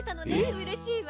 うれしいわ。